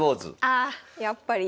ああやっぱり。